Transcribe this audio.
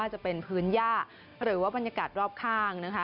จะเป็นพื้นย่าหรือว่าบรรยากาศรอบข้างนะคะ